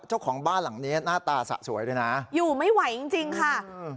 เจ้าของบ้านหลังเนี้ยหน้าตาสะสวยด้วยนะอยู่ไม่ไหวจริงจริงค่ะอืม